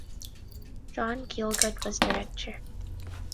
John Gielgud was director.